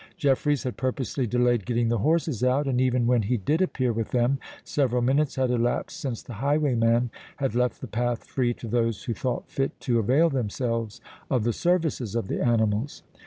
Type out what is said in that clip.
Jeffreys had purposely delayed getting the horses out; and even when he did appear with them, several minutes had elapsed since the highwayman had left the path free to those who thought fit to avail themselves of the services of the animals.